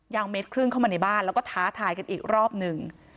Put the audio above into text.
เมตรครึ่งเข้ามาในบ้านแล้วก็ท้าทายกันอีกรอบหนึ่ง